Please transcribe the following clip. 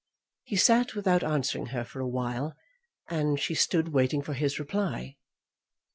He sat without answering her for awhile, and she stood waiting for his reply.